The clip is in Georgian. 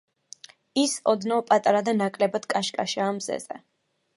ის ოდნავ პატარა და ნაკლებად კაშკაშაა მზეზე.